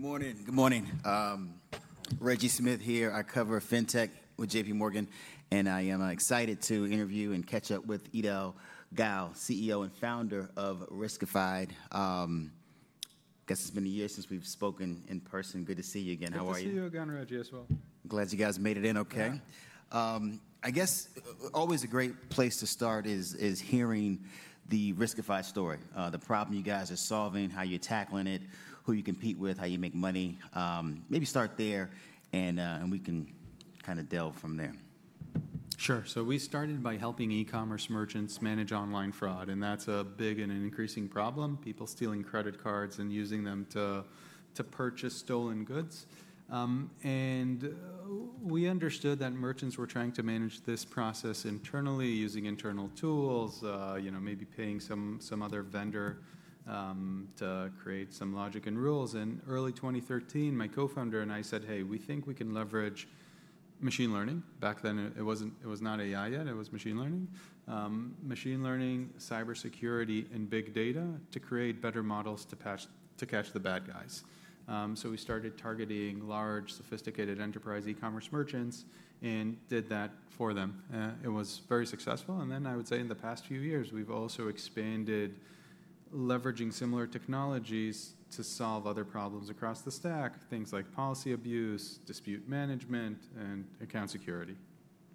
Good morning. Good morning. Reggie Smith here. I cover Fintech with JP Morgan, and I am excited to interview and catch up with Eido Gal, CEO and founder of Riskified. I guess it's been a year since we've spoken in person. Good to see you again. How are you? Good to see you again, Reggie, as well. Glad you guys made it in okay. I guess always a great place to start is hearing the Riskified story, the problem you guys are solving, how you're tackling it, who you compete with, how you make money. Maybe start there and we can kind of delve from there. Sure. We started by helping e-commerce merchants manage online fraud, and that's a big and an increasing problem: people stealing credit cards and using them to purchase stolen goods. We understood that merchants were trying to manage this process internally using internal tools, you know, maybe paying some other vendor to create some logic and rules. In early 2013, my co-founder and I said, "Hey, we think we can leverage machine learning." Back then, it was not AI yet. It was machine learning, machine learning, cybersecurity, and big data to create better models to catch the bad guys. We started targeting large, sophisticated enterprise e-commerce merchants and did that for them. It was very successful. I would say in the past few years, we've also expanded, leveraging similar technologies to solve other problems across the stack, things like policy abuse, dispute management, and account security.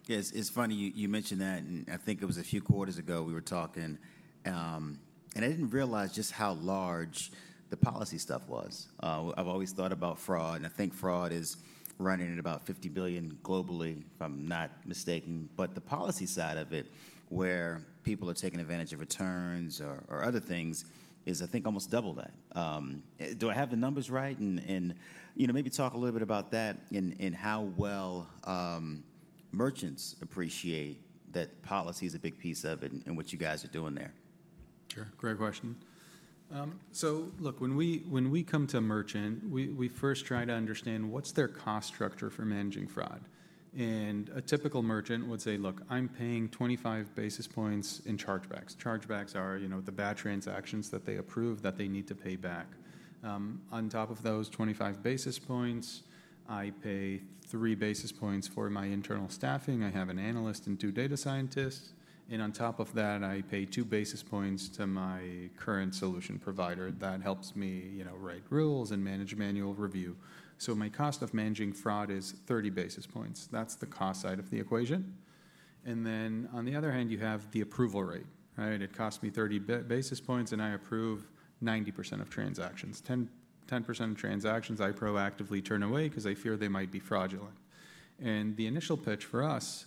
Yeah. It's, it's funny you, you mentioned that, and I think it was a few quarters ago we were talking, and I didn't realize just how large the policy stuff was. I've always thought about fraud, and I think fraud is running at about $50 billion globally, if I'm not mistaken. But the policy side of it, where people are taking advantage of returns or, or other things, is I think almost double that. Do I have the numbers right? And, and, you know, maybe talk a little bit about that and, and how well, merchants appreciate that policy is a big piece of it and what you guys are doing there. Sure. Great question. So look, when we, when we come to a merchant, we first try to understand what's their cost structure for managing fraud. And a typical merchant would say, "Look, I'm paying 25 basis points in chargebacks." Chargebacks are, you know, the bad transactions that they approve that they need to pay back. On top of those 25 basis points, I pay three basis points for my internal staffing. I have an analyst and two data scientists. And on top of that, I pay two basis points to my current solution provider that helps me, you know, write rules and manage manual review. So my cost of managing fraud is 30 basis points. That's the cost side of the equation. And then on the other hand, you have the approval rate, right? It costs me 30 basis points, and I approve 90% of transactions. 10, 10% of transactions I proactively turn away because I fear they might be fraudulent. The initial pitch for us,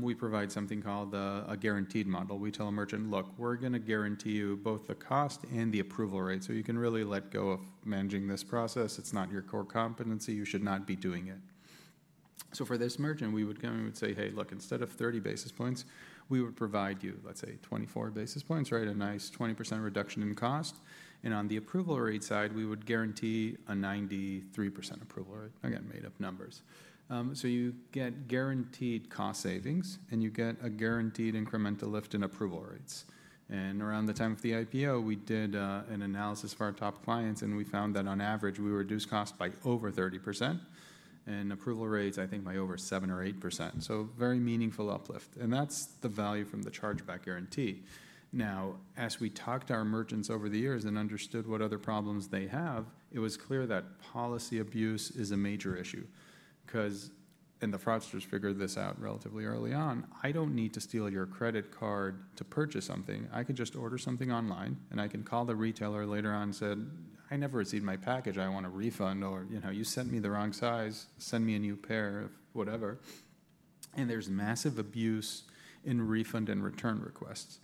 we provide something called a guaranteed model. We tell a merchant, "Look, we're gonna guarantee you both the cost and the approval rate, so you can really let go of managing this process. It's not your core competency. You should not be doing it." For this merchant, we would come, we would say, "Hey, look, instead of 30 basis points, we would provide you, let's say, 24 basis points, right? A nice 20% reduction in cost." On the approval rate side, we would guarantee a 93% approval rate. Again, made up numbers. You get guaranteed cost savings, and you get a guaranteed incremental lift in approval rates. Around the time of the IPO, we did an analysis for our top clients, and we found that on average, we reduced costs by over 30% and approval rates, I think, by over 7% or 8%. Very meaningful uplift. That is the value from the Chargeback Guarantee. As we talked to our merchants over the years and understood what other problems they have, it was clear that policy abuse is a major issue because, and the fraudsters figured this out relatively early on, I do not need to steal your credit card to purchase something. I can just order something online, and I can call the retailer later on and say, "I never received my package. I want a refund," or, you know, "You sent me the wrong size. Send me a new pair of whatever." There is massive abuse in refund and return requests.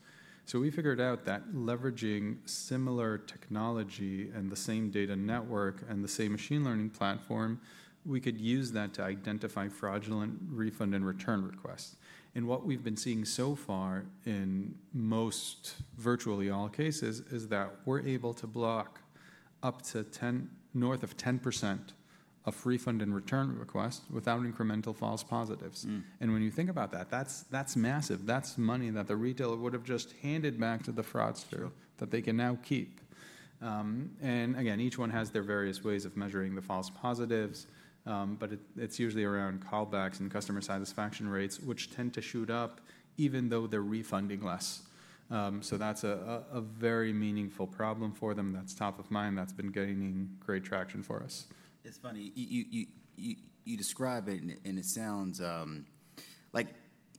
We figured out that leveraging similar technology and the same data network and the same machine learning platform, we could use that to identify fraudulent refund and return requests. What we've been seeing so far in most, virtually all cases, is that we're able to block up to 10%, north of 10% of refund and return requests without incremental false positives. Mm-hmm. When you think about that, that's massive. That's money that the retailer would've just handed back to the fraudster that they can now keep. Again, each one has their various ways of measuring the false positives, but it's usually around callbacks and customer satisfaction rates, which tend to shoot up even though they're refunding less. That's a very meaningful problem for them that's top of mind that's been gaining great traction for us. It's funny. You describe it, and it sounds like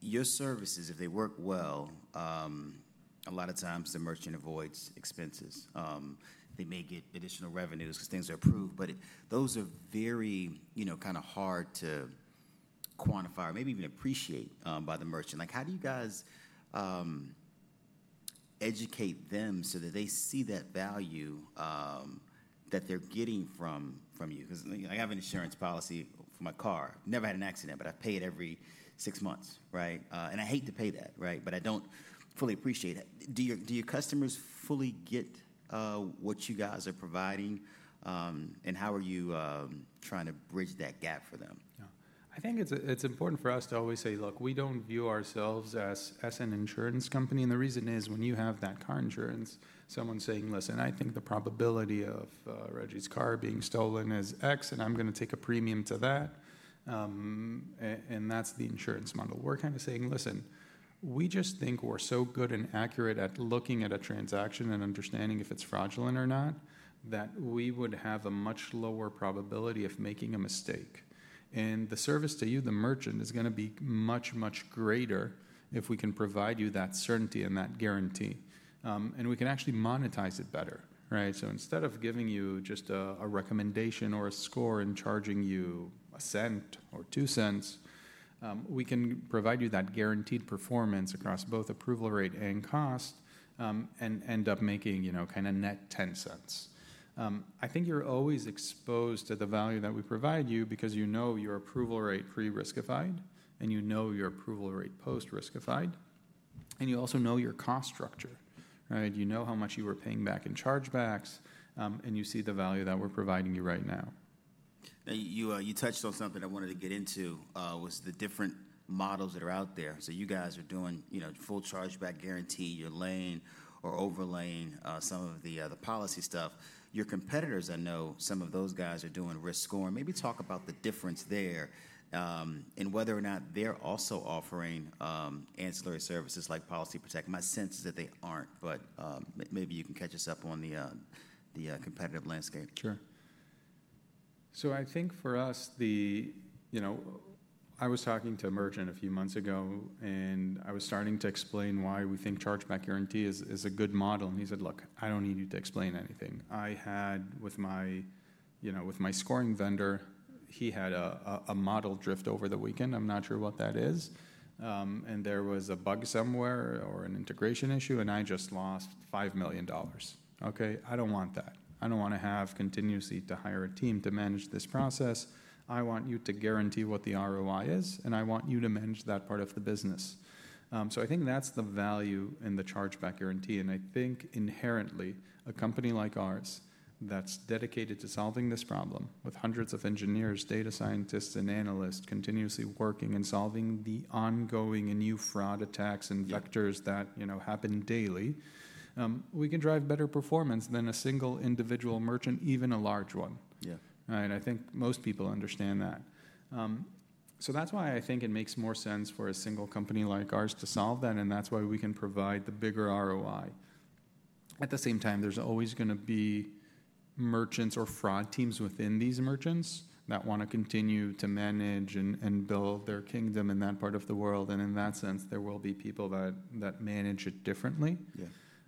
your services, if they work well, a lot of times the merchant avoids expenses. They may get additional revenues because things are approved, but those are very, you know, kind of hard to quantify or maybe even appreciate by the merchant. Like, how do you guys educate them so that they see that value, that they're getting from you? Because I have an insurance policy for my car. I've never had an accident, but I pay it every six months, right? And I hate to pay that, right? But I don't fully appreciate it. Do your customers fully get what you guys are providing? And how are you trying to bridge that gap for them? Yeah. I think it's important for us to always say, "Look, we don't view ourselves as an insurance company." The reason is when you have that car insurance, someone's saying, "Listen, I think the probability of Reggie's car being stolen is X, and I'm gonna take a premium to that." That's the insurance model. We're kind of saying, "Listen, we just think we're so good and accurate at looking at a transaction and understanding if it's fraudulent or not that we would have a much lower probability of making a mistake." The service to you, the merchant, is gonna be much, much greater if we can provide you that certainty and that guarantee. We can actually monetize it better, right? Instead of giving you just a recommendation or a score and charging you a cent or two cents, we can provide you that guaranteed performance across both approval rate and cost, and end up making, you know, kind of net 10 cents. I think you're always exposed to the value that we provide you because you know your approval rate pre-Riskified, and you know your approval rate post-Riskified, and you also know your cost structure, right? You know how much you were paying back in chargebacks, and you see the value that we're providing you right now. Now, you touched on something I wanted to get into, was the different models that are out there. So you guys are doing, you know, full Chargeback Guarantee. You're laying or overlaying some of the, the Policy stuff. Your competitors, I know some of those guys are doing risk score. Maybe talk about the difference there, and whether or not they're also offering ancillary services like policy protection. My sense is that they aren't, but maybe you can catch us up on the, the competitive landscape. Sure. I think for us, you know, I was talking to a merchant a few months ago, and I was starting to explain why we think Chargeback Guarantee is a good model. He said, "Look, I don't need you to explain anything. I had, with my, you know, with my scoring vendor, he had a model drift over the weekend. I'm not sure what that is, and there was a bug somewhere or an integration issue, and I just lost $5 million. Okay? I don't want that. I don't wanna have continuously to hire a team to manage this process. I want you to guarantee what the ROI is, and I want you to manage that part of the business." I think that's the value in the Chargeback Guarantee. I think inherently, a company like ours that's dedicated to solving this problem with hundreds of engineers, data scientists, and analysts continuously working and solving the ongoing and new fraud attacks and vectors that, you know, happen daily, we can drive better performance than a single individual merchant, even a large one. Yeah. Right? I think most people understand that. That's why I think it makes more sense for a single company like ours to solve that, and that's why we can provide the bigger ROI. At the same time, there's always gonna be merchants or fraud teams within these merchants that wanna continue to manage and build their kingdom in that part of the world. In that sense, there will be people that manage it differently. Yeah.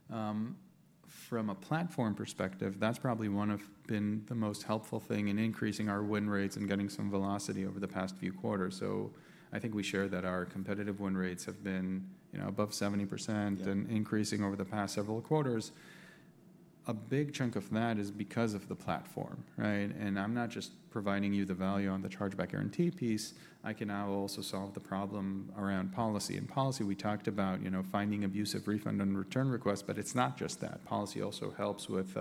From a platform perspective, that's probably one of been the most helpful thing in increasing our win rates and getting some velocity over the past few quarters. I think we share that our competitive win rates have been, you know, above 70%. Yeah. Increasing over the past several quarters. A big chunk of that is because of the platform, right? And I'm not just providing you the value on the Chargeback Guarantee piece. I can now also solve the problem around Policy. And Policy, we talked about, you know, finding abusive refund and return requests, but it's not just that. Policy also helps with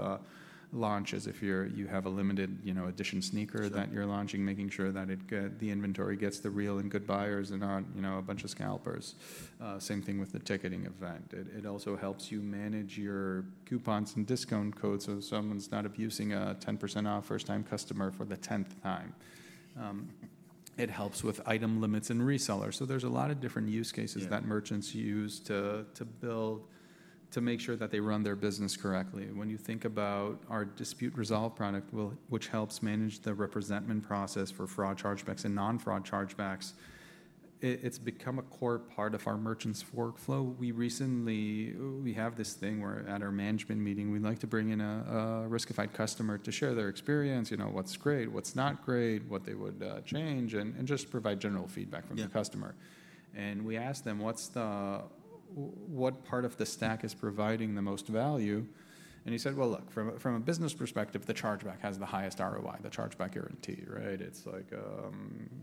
launches if you have a limited, you know, edition sneaker that you're launching, making sure that the inventory gets to the real and good buyers and not, you know, a bunch of scalpers. Same thing with the ticketing event. It also helps you manage your coupons and discount codes so someone's not abusing a 10% off first-time customer for the 10th time. It helps with item limits and resellers. So there's a lot of different use cases. Yeah. That merchants use to build, to make sure that they run their business correctly. When you think about our Dispute Resolve product, which helps manage the representment process for fraud chargebacks and non-fraud chargebacks, it's become a core part of our merchants' workflow. We recently, we have this thing where at our management meeting, we'd like to bring in a Riskified customer to share their experience, you know, what's great, what's not great, what they would change, and just provide general feedback from the customer. Yeah. We asked them, "What's the, what part of the stack is providing the most value?" He said, "From a business perspective, the chargeback has the highest ROI, the Chargeback Guarantee, right? It is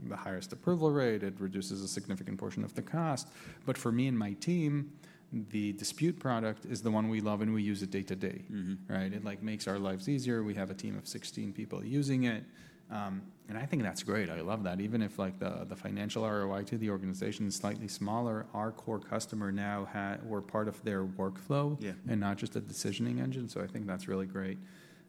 the highest approval rate. It reduces a significant portion of the cost. For me and my team, the Dispute Resolve product is the one we love, and we use it day to day. Mm-hmm. Right? It, like, makes our lives easier. We have a team of 16 people using it, and I think that's great. I love that. Even if, like, the financial ROI to the organization is slightly smaller, our core customer now, ha, we're part of their workflow. Yeah. Not just a decisioning engine. I think that's really great.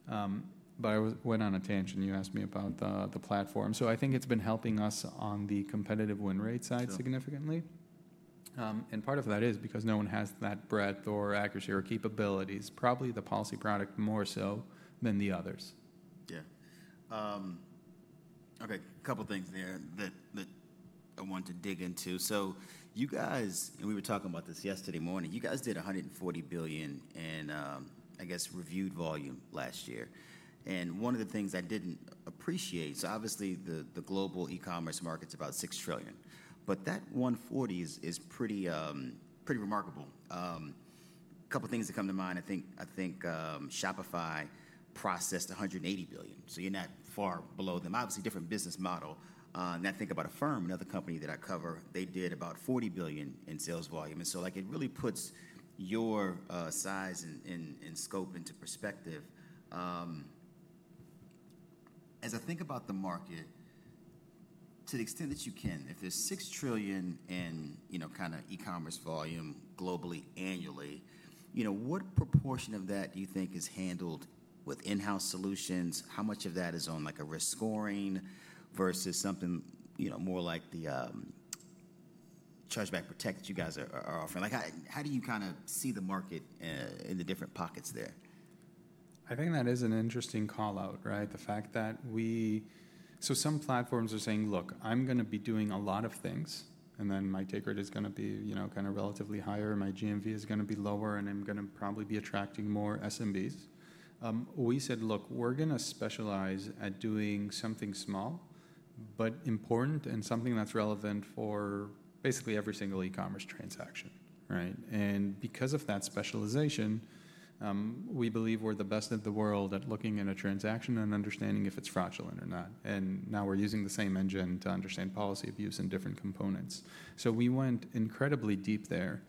I went on a tangent. You asked me about the platform. I think it's been helping us on the competitive win rate side significantly. Yeah. Part of that is because no one has that breadth or accuracy or capabilities, probably the Policy product more so than the others. Yeah. Okay. Couple things there that I want to dig into. So you guys, and we were talking about this yesterday morning, you guys did $140 billion in, I guess, reviewed volume last year. And one of the things I did not appreciate, so obviously the global e-commerce market is about $6 trillion, but that $140 billion is pretty, pretty remarkable. A couple things that come to mind. I think Shopify processed $180 billion, so you are not far below them. Obviously different business model. I think about Affirm, another company that I cover, they did about $40 billion in sales volume. Like, it really puts your size and scope into perspective. As I think about the market, to the extent that you can, if there's $6 trillion in, you know, kind of e-commerce volume globally annually, you know, what proportion of that do you think is handled with in-house solutions? How much of that is on, like, a risk scoring versus something, you know, more like the Chargeback Guarantee that you guys are, are offering? Like, how, how do you kind of see the market, in the different pockets there? I think that is an interesting callout, right? The fact that we, so some platforms are saying, "Look, I'm gonna be doing a lot of things, and then my take rate is gonna be, you know, kind of relatively higher. My GMV is gonna be lower, and I'm gonna probably be attracting more SMBs." We said, "Look, we're gonna specialize at doing something small but important and something that's relevant for basically every single e-commerce transaction," right? Because of that specialization, we believe we're the best in the world at looking at a transaction and understanding if it's fraudulent or not. Now we're using the same engine to understand policy abuse and different components. We went incredibly deep there,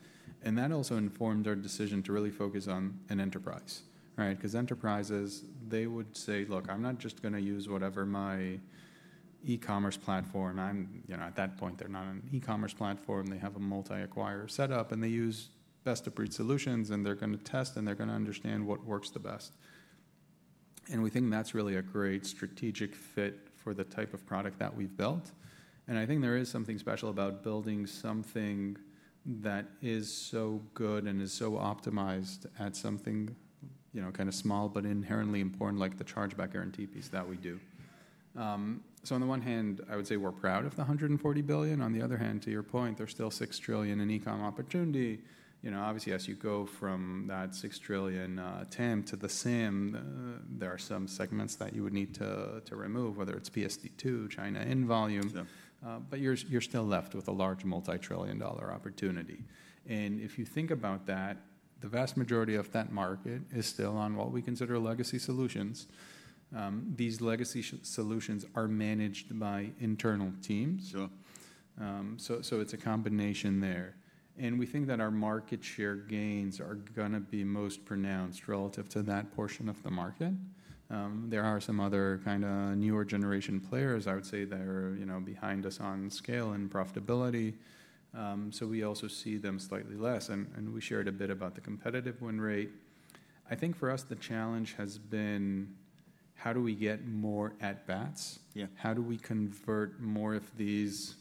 and that also informed our decision to really focus on an enterprise, right? Because enterprises, they would say, "Look, I'm not just gonna use whatever my e-commerce platform." I'm, you know, at that point, they're not an e-commerce platform. They have a multi-acquirer setup, and they use best-of-breed solutions, and they're gonna test, and they're gonna understand what works the best. We think that's really a great strategic fit for the type of product that we've built. I think there is something special about building something that is so good and is so optimized at something, you know, kind of small but inherently important, like the Chargeback Guarantee piece that we do. On the one hand, I would say we're proud of the $140 billion. On the other hand, to your point, there's still $6 trillion in e-com opportunity. You know, obviously, as you go from that $6 trillion attempt to the SIM, there are some segments that you would need to, to remove, whether it's PSD2, China in volume. Sure. You're still left with a large multi-trillion dollar opportunity. If you think about that, the vast majority of that market is still on what we consider legacy solutions. These legacy solutions are managed by internal teams. Sure. It is a combination there. We think that our market share gains are gonna be most pronounced relative to that portion of the market. There are some other kind of newer generation players, I would say, that are, you know, behind us on scale and profitability. We also see them slightly less. We shared a bit about the competitive win rate. I think for us, the challenge has been, how do we get more at-bats? Yeah. How do we convert more of these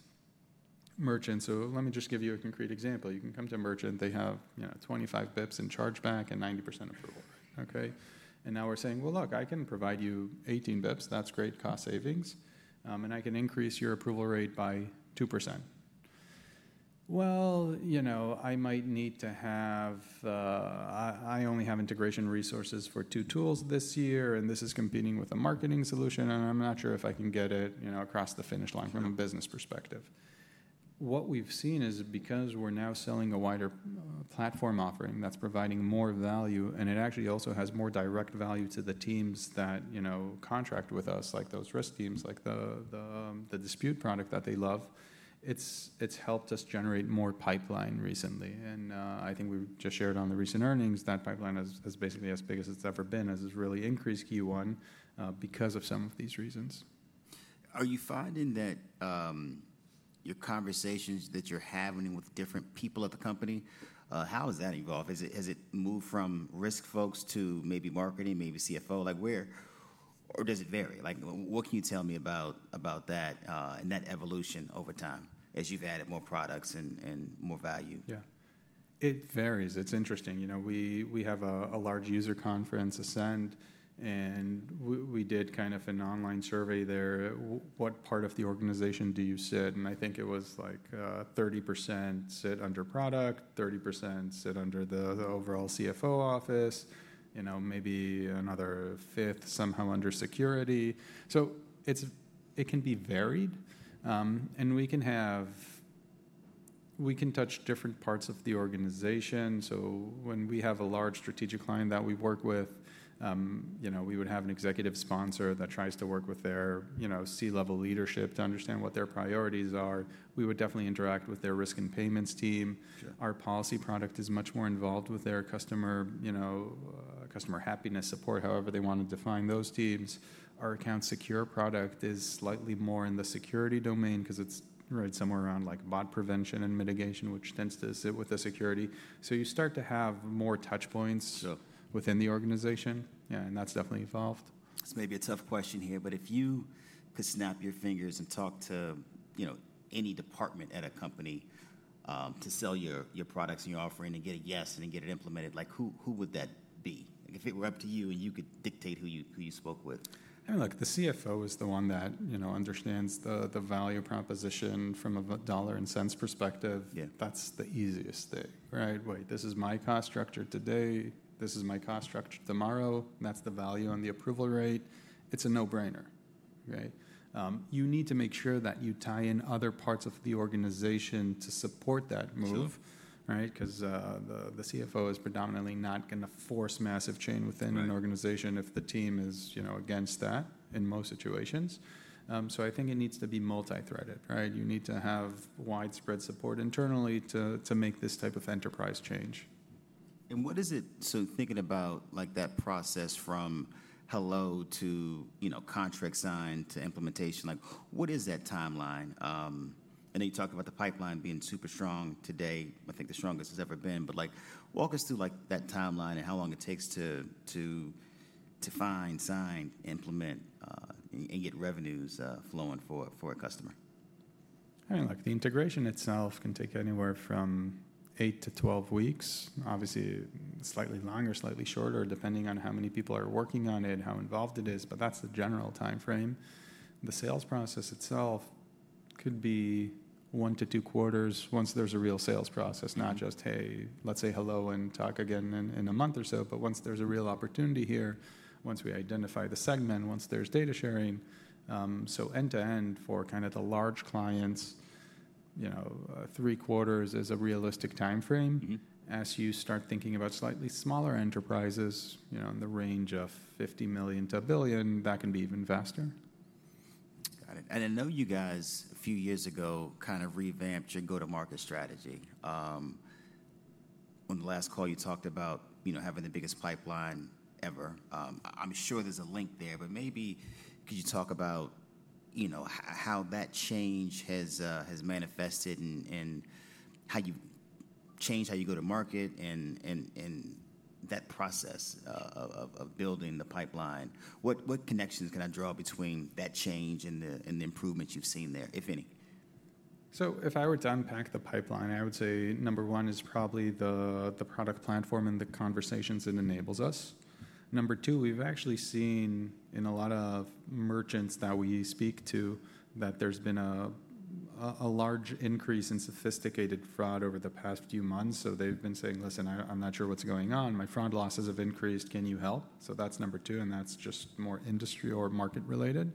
merchants? Let me just give you a concrete example. You can come to a merchant. They have, you know, 25 bps in chargeback and 90% approval rate, okay? Now we're saying, "Look, I can provide you 18 bps. That's great cost savings, and I can increase your approval rate by 2%." You know, I might need to have, I only have integration resources for two tools this year, and this is competing with a marketing solution, and I'm not sure if I can get it, you know, across the finish line from a business perspective. What we've seen is because we're now selling a wider platform offering that's providing more value, and it actually also has more direct value to the teams that, you know, contract with us, like those risk teams, like the Dispute product that they love. It's helped us generate more pipeline recently. I think we just shared on the recent earnings that pipeline has basically as big as it's ever been, has really increased Q1 because of some of these reasons. Are you finding that your conversations that you're having with different people at the company, how has that evolved? Has it moved from risk folks to maybe marketing, maybe CFO? Like, where, or does it vary? What can you tell me about that, and that evolution over time as you've added more products and more value? Yeah. It varies. It's interesting. You know, we have a large user conference, Ascend, and we did kind of an online survey there. What part of the organization do you sit? And I think it was like, 30% sit under product, 30% sit under the overall CFO office, you know, maybe another fifth somehow under security. It can be varied, and we can touch different parts of the organization. When we have a large strategic client that we work with, you know, we would have an executive sponsor that tries to work with their, you know, C-level leadership to understand what their priorities are. We would definitely interact with their risk and payments team. Sure. Our Policy product is much more involved with their customer, you know, customer happiness support, however they wanna define those teams. Our Account Secure product is slightly more in the security domain 'cause it's right somewhere around like bot prevention and mitigation, which tends to sit with the security. You start to have more touch points. Sure. Within the organization. Yeah. That's definitely evolved. It's maybe a tough question here, but if you could snap your fingers and talk to, you know, any department at a company, to sell your, your products and your offering and get a yes and then get it implemented, like, who would that be? Like, if it were up to you and you could dictate who you, who you spoke with. I mean, look, the CFO is the one that, you know, understands the value proposition from a dollar and cents perspective. Yeah. That's the easiest thing, right? Wait, this is my cost structure today. This is my cost structure tomorrow. That's the value on the approval rate. It's a no-brainer, right? You need to make sure that you tie in other parts of the organization to support that move. Sure. Right? 'Cause the CFO is predominantly not gonna force massive change within an organization. Right. If the team is, you know, against that in most situations. I think it needs to be multi-threaded, right? You need to have widespread support internally to, to make this type of enterprise change. What is it? Thinking about, like, that process from hello to, you know, contract signed to implementation, what is that timeline? I know you talked about the pipeline being super strong today. I think the strongest it has ever been, but, like, walk us through, like, that timeline and how long it takes to find, sign, implement, and get revenues flowing for a customer. I mean, look, the integration itself can take anywhere from eight to twelve weeks. Obviously, slightly longer, slightly shorter, depending on how many people are working on it, how involved it is, but that's the general timeframe. The sales process itself could be one to two quarters once there's a real sales process, not just, hey, let's say hello and talk again in a month or so, but once there's a real opportunity here, once we identify the segment, once there's data sharing. End-to-end for kind of the large clients, you know, three quarters is a realistic timeframe. Mm-hmm. As you start thinking about slightly smaller enterprises, you know, in the range of $50 million-$1 billion, that can be even faster. Got it. I know you guys a few years ago kind of revamped your go-to-market strategy. On the last call, you talked about, you know, having the biggest pipeline ever. I'm sure there's a link there, but maybe could you talk about, you know, how that change has manifested and how you changed how you go to market and that process of building the pipeline? What connections can I draw between that change and the improvements you've seen there, if any? If I were to unpack the pipeline, I would say number one is probably the product platform and the conversations it enables us. Number two, we've actually seen in a lot of merchants that we speak to that there's been a large increase in sophisticated fraud over the past few months. They've been saying, "Listen, I'm not sure what's going on. My fraud losses have increased. Can you help?" That's number two, and that's just more industry or market-related.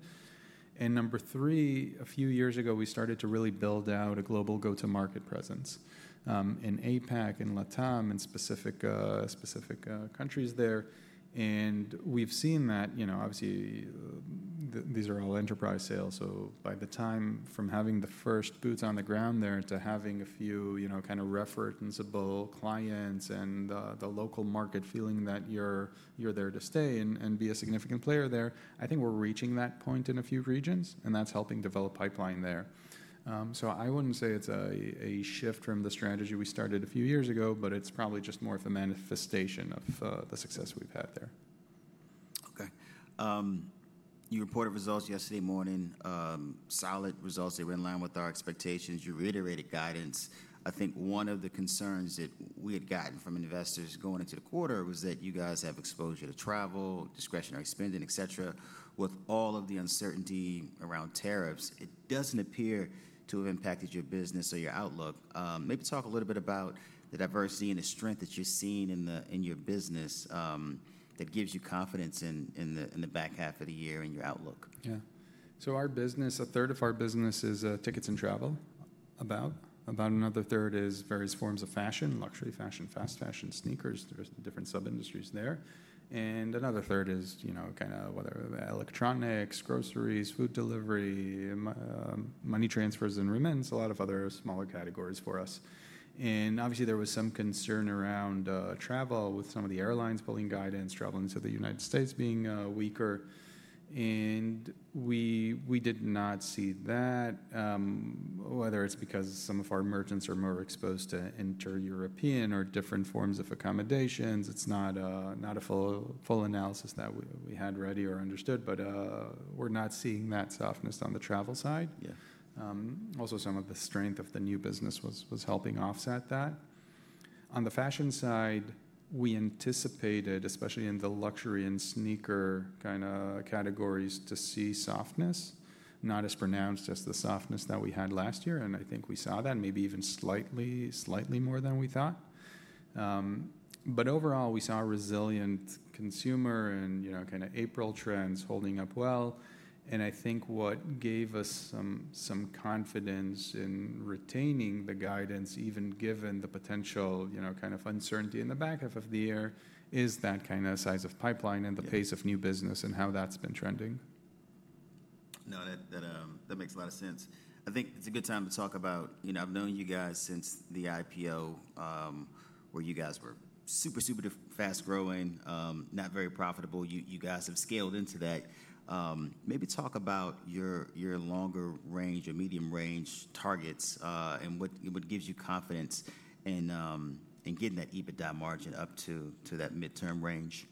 Number three, a few years ago, we started to really build out a global go-to-market presence, in APAC, in LatAm, in specific countries there. We've seen that, you know, obviously, these are all enterprise sales. By the time from having the first boots on the ground there to having a few, you know, kind of referenceable clients and the local market feeling that you're there to stay and be a significant player there, I think we're reaching that point in a few regions, and that's helping develop pipeline there. I wouldn't say it's a shift from the strategy we started a few years ago, but it's probably just more of a manifestation of the success we've had there. Okay. You reported results yesterday morning, solid results. They were in line with our expectations. You reiterated guidance. I think one of the concerns that we had gotten from investors going into the quarter was that you guys have exposure to travel, discretionary spending, et cetera. With all of the uncertainty around tariffs, it does not appear to have impacted your business or your outlook. Maybe talk a little bit about the diversity and the strength that you are seeing in your business that gives you confidence in the back half of the year and your outlook. Yeah. Our business, a third of our business is tickets and travel, about another third is various forms of fashion, luxury fashion, fast fashion, sneakers. There are different sub-industries there. Another third is, you know, kind of whether electronics, groceries, food delivery, money transfers and remittance, a lot of other smaller categories for us. Obviously, there was some concern around travel with some of the airlines pulling guidance, traveling to the United States being weaker. We did not see that, whether it's because some of our merchants are more exposed to inter-European or different forms of accommodations. It's not a full analysis that we had ready or understood, but we're not seeing that softness on the travel side. Yeah. Also, some of the strength of the new business was helping offset that. On the fashion side, we anticipated, especially in the luxury and sneaker kind of categories, to see softness, not as pronounced as the softness that we had last year. I think we saw that maybe even slightly, slightly more than we thought. Overall, we saw a resilient consumer and, you know, kind of April trends holding up well. I think what gave us some confidence in retaining the guidance, even given the potential, you know, kind of uncertainty in the back half of the year, is that kind of size of pipeline and the pace of new business and how that's been trending. No, that makes a lot of sense. I think it's a good time to talk about, you know, I've known you guys since the IPO, where you guys were super, super fast growing, not very profitable. You guys have scaled into that. Maybe talk about your longer range or medium range targets, and what gives you confidence in getting that EBITDA margin up to that midterm range.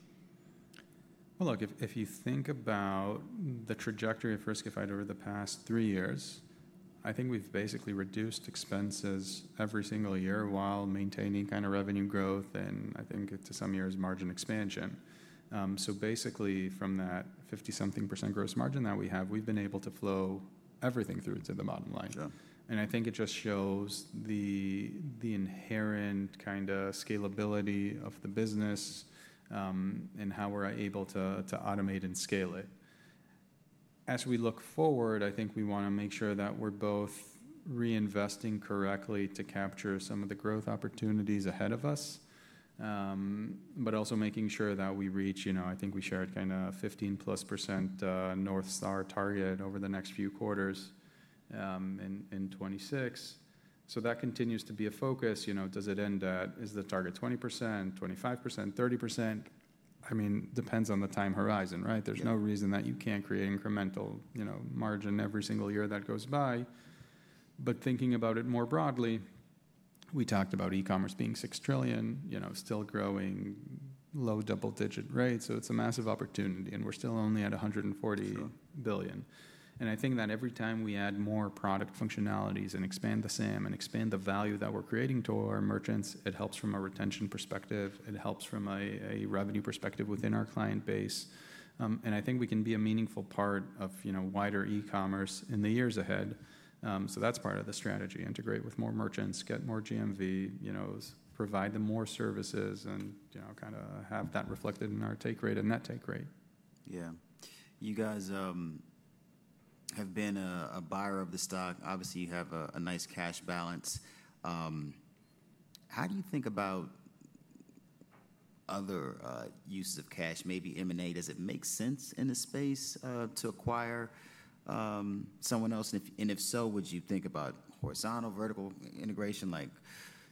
If you think about the trajectory of Riskified over the past three years, I think we've basically reduced expenses every single year while maintaining kind of revenue growth and I think to some years margin expansion. Basically from that 50-something percent gross margin that we have, we've been able to flow everything through to the bottom line. Sure. I think it just shows the inherent kind of scalability of the business, and how we're able to automate and scale it. As we look forward, I think we wanna make sure that we're both reinvesting correctly to capture some of the growth opportunities ahead of us, but also making sure that we reach, you know, I think we shared kind of 15%+ North Star target over the next few quarters, in 2026. That continues to be a focus. You know, does it end at, is the target 20%, 25%, 30%? I mean, depends on the time horizon, right? There's no reason that you can't create incremental, you know, margin every single year that goes by. Thinking about it more broadly, we talked about e-commerce being $6 trillion, you know, still growing low double-digit rates. It's a massive opportunity and we're still only at $140 billion. I think that every time we add more product functionalities and expand the SAM and expand the value that we're creating to our merchants, it helps from a retention perspective. It helps from a revenue perspective within our client base. I think we can be a meaningful part of, you know, wider e-commerce in the years ahead. That's part of the strategy. Integrate with more merchants, get more GMV, provide them more services and, you know, kind of have that reflected in our take rate and net take rate. Yeah. You guys have been a buyer of the stock. Obviously, you have a nice cash balance. How do you think about other uses of cash, maybe M&A? Does it make sense in the space to acquire someone else? If so, would you think about horizontal, vertical integration, like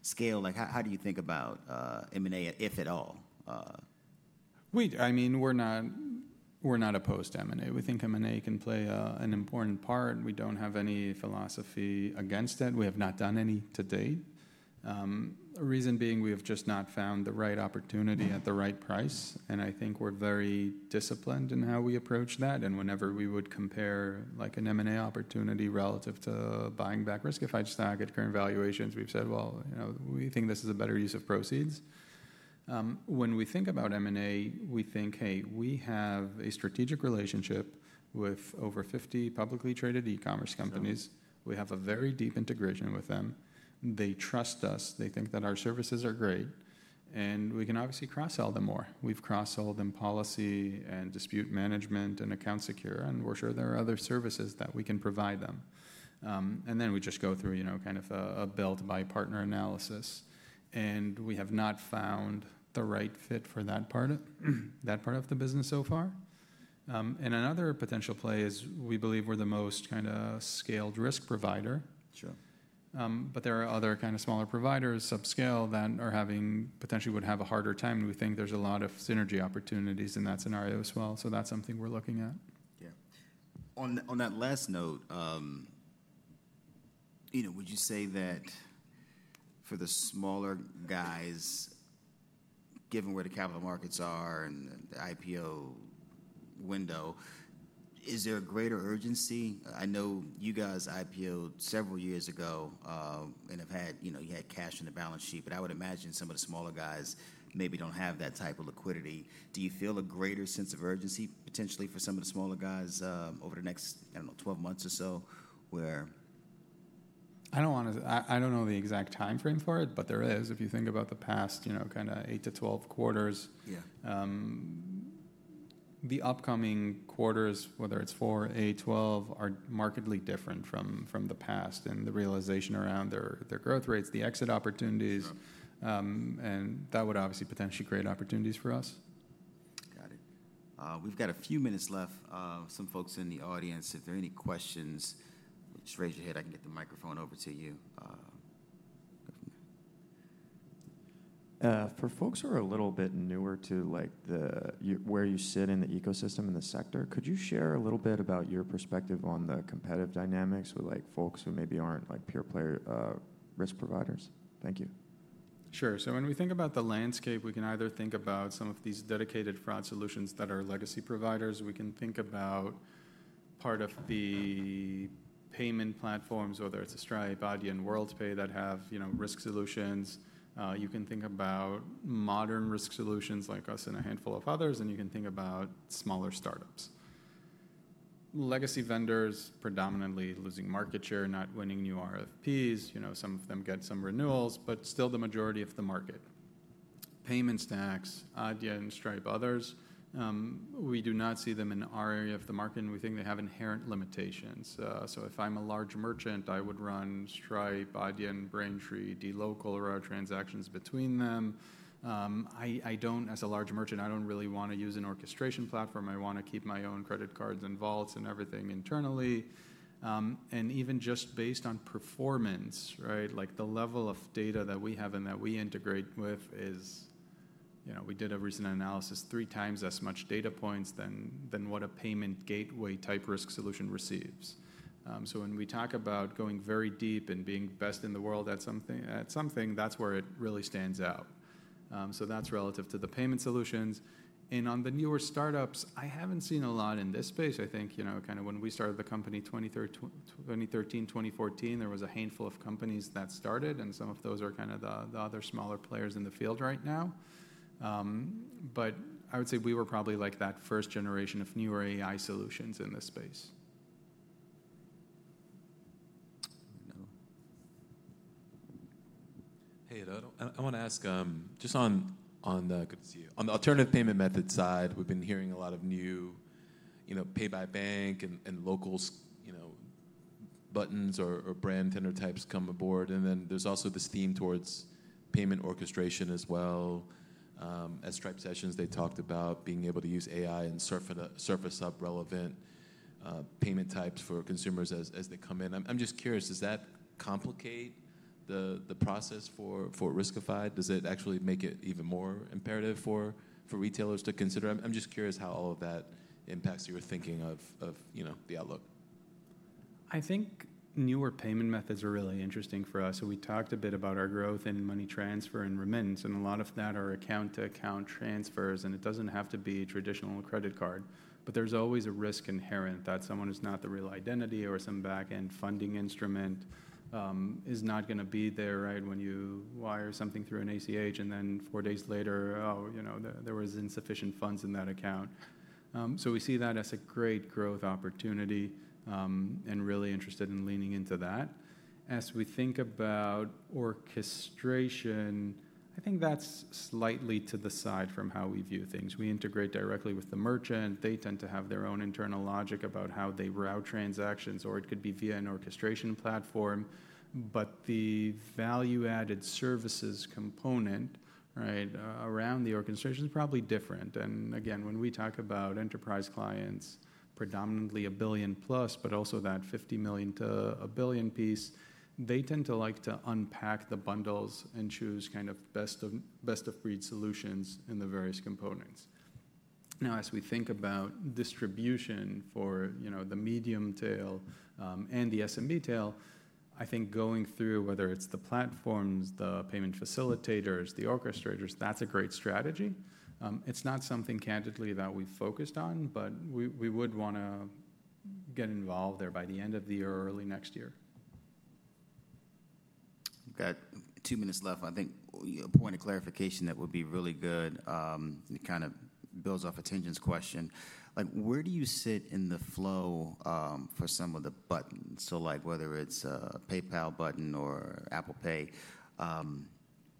scale, like how do you think about M&A, if at all? We, I mean, we're not opposed to M&A. We think M&A can play an important part. We don't have any philosophy against it. We have not done any to date. The reason being, we have just not found the right opportunity at the right price. I think we're very disciplined in how we approach that. Whenever we would compare like an M&A opportunity relative to buying back Riskified stock at current valuations, we've said, well, you know, we think this is a better use of proceeds. When we think about M&A, we think, hey, we have a strategic relationship with over 50 publicly traded e-commerce companies. We have a very deep integration with them. They trust us. They think that our services are great. We can obviously cross-sell them more. We've cross-sold them Policy and Dispute Management and Account Secure, and we're sure there are other services that we can provide them. We just go through, you know, kind of a built by partner analysis. We have not found the right fit for that part of the business so far. Another potential play is we believe we're the most kind of scaled risk provider. Sure. There are other kind of smaller providers subscale that are having, potentially would have a harder time. We think there's a lot of synergy opportunities in that scenario as well. That's something we're looking at. Yeah. On that last note, you know, would you say that for the smaller guys, given where the capital markets are and the IPO window, is there a greater urgency? I know you guys IPO'd several years ago, and have had, you know, you had cash in the balance sheet, but I would imagine some of the smaller guys maybe don't have that type of liquidity. Do you feel a greater sense of urgency potentially for some of the smaller guys, over the next, I don't know, 12 months or so? I don't wanna, I don't know the exact timeframe for it, but there is, if you think about the past, you know, kind of eight to 12 quarters. Yeah. The upcoming quarters, whether it's four, eight, 12, are markedly different from the past and the realization around their growth rates, the exit opportunities. Sure. That would obviously potentially create opportunities for us. Got it. We've got a few minutes left. Some folks in the audience, if there are any questions, just raise your hand. I can get the microphone over to you. Go from there. For folks who are a little bit newer to like the, you know, where you sit in the ecosystem in the sector, could you share a little bit about your perspective on the competitive dynamics with like folks who maybe aren't like pure player risk providers? Thank you. Sure. When we think about the landscape, we can either think about some of these dedicated fraud solutions that are legacy providers. We can think about part of the payment platforms, whether it's Stripe, Adyen, and Worldpay that have, you know, risk solutions. You can think about modern risk solutions like us and a handful of others, and you can think about smaller startups. Legacy vendors predominantly losing market share, not winning new RFPs. You know, some of them get some renewals, but still the majority of the market. Payment stacks, Adyen, Stripe, others. We do not see them in our area of the market, and we think they have inherent limitations. If I'm a large merchant, I would run Stripe, Adyen, and Braintree, de-local or our transactions between them. I don't, as a large merchant, I don't really wanna use an orchestration platform. I wanna keep my own credit cards and vaults and everything internally. Even just based on performance, right, like the level of data that we have and that we integrate with is, you know, we did a recent analysis, three times as much data points than what a payment gateway type risk solution receives. When we talk about going very deep and being best in the world at something, that's where it really stands out. That's relative to the payment solutions. On the newer startups, I haven't seen a lot in this space. I think, you know, kind of when we started the company in 2013, 2014, there was a handful of companies that started, and some of those are kind of the other smaller players in the field right now. I would say we were probably like that first generation of newer AI solutions in this space. Hey, I don't, I wanna ask, just on, on the- Good to see you. On the alternative payment method side, we've been hearing a lot of new, you know, pay by bank and, and locals, you know, buttons or, or brand tender types come aboard. And then there's also this theme towards payment orchestration as well. At Stripe sessions, they talked about being able to use AI and surface up relevant payment types for consumers as, as they come in. I'm, I'm just curious, does that complicate the, the process for, for Riskified? Does it actually make it even more imperative for, for retailers to consider? I'm, I'm just curious how all of that impacts your thinking of, of, you know, the outlook. I think newer payment methods are really interesting for us. We talked a bit about our growth in money transfer and remittance, and a lot of that are account to account transfers. It does not have to be traditional credit card, but there is always a risk inherent that someone is not the real identity or some backend funding instrument is not gonna be there, right, when you wire something through an ACH and then four days later, oh, you know, there was insufficient funds in that account. We see that as a great growth opportunity, and really interested in leaning into that. As we think about orchestration, I think that is slightly to the side from how we view things. We integrate directly with the merchant. They tend to have their own internal logic about how they route transactions, or it could be via an orchestration platform. The value-added services component, right, around the orchestration is probably different. Again, when we talk about enterprise clients, predominantly a billion plus, but also that $50 million-$1 billion piece, they tend to like to unpack the bundles and choose kind of best of, best of breed solutions in the various components. Now, as we think about distribution for, you know, the medium tail, and the SMB tail, I think going through, whether it's the platforms, the payment facilitators, the orchestrators, that's a great strategy. It's not something candidly that we've focused on, but we would wanna get involved there by the end of the year, early next year. We've got two minutes left. I think a point of clarification that would be really good, kind of builds off attention's question. Like, where do you sit in the flow, for some of the buttons? Like whether it's a PayPal button or Apple Pay,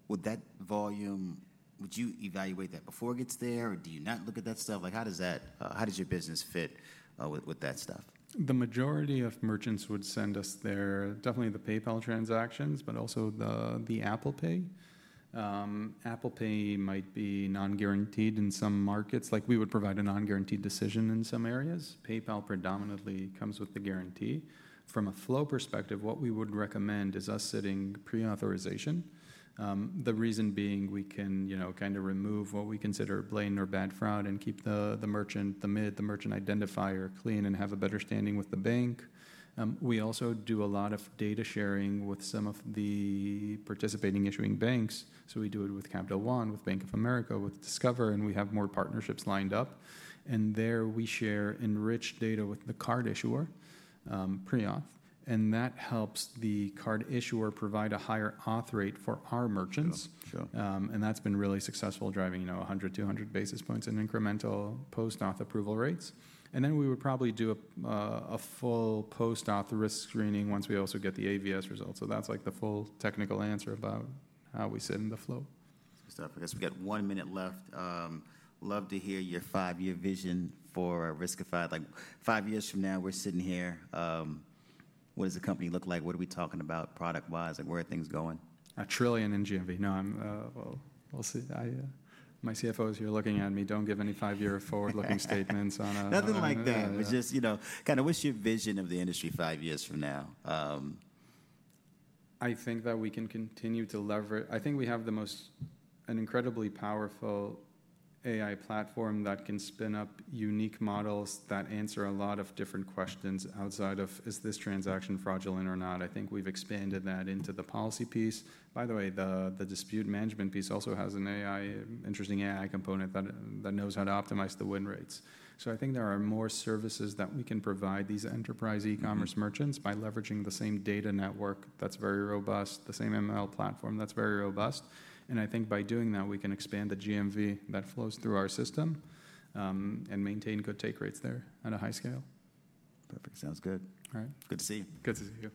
would that volume, would you evaluate that before it gets there or do you not look at that stuff? Like, how does that, how does your business fit, with, with that stuff? The majority of merchants would send us their definitely the PayPal transactions, but also the Apple Pay. Apple Pay might be non-guaranteed in some markets. Like we would provide a non-guaranteed decision in some areas. PayPal predominantly comes with the guarantee. From a flow perspective, what we would recommend is us sitting pre-authorization. The reason being we can, you know, kind of remove what we consider blatant or bad fraud and keep the merchant, the MID, the merchant identifier clean and have a better standing with the bank. We also do a lot of data sharing with some of the participating issuing banks. We do it with Capital One, with Bank of America, with Discover, and we have more partnerships lined up. There we share enriched data with the card issuer, pre-auth. That helps the card issuer provide a higher auth rate for our merchants. Sure. That's been really successful, driving, you know, 100-200 basis points in incremental post-auth approval rates. We would probably do a full post-auth risk screening once we also get the AVS results. That's like the full technical answer about how we sit in the flow. Stuff. I guess we got one minute left. Love to hear your five-year vision for Riskified. Like five years from now, we're sitting here. What does the company look like? What are we talking about product-wise? Like where are things going? A trillion in GMV. No, I'm, we'll, we'll see. I, my CFO's here looking at me, don't give any five-year forward-looking statements on, Nothing like that. It's just, you know, kind of what's your vision of the industry five years from now? I think that we can continue to leverage. I think we have the most, an incredibly powerful AI platform that can spin up unique models that answer a lot of different questions outside of, is this transaction fraudulent or not? I think we've expanded that into the policy piece. By the way, the dispute management piece also has an interesting AI component that knows how to optimize the win rates. I think there are more services that we can provide these enterprise e-commerce merchants by leveraging the same data network that's very robust, the same ML platform that's very robust. I think by doing that, we can expand the GMV that flows through our system, and maintain good take rates there at a high scale. Perfect. Sounds good. All right. Good to see you. Good to see you.